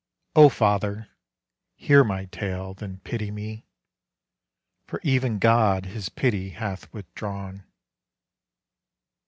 O Father, hear my tale, then pity me, For even God his pity hath withdrawn.